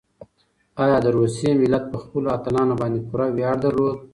ایا د روسیې ملت په خپلو اتلانو باندې پوره ویاړ درلود؟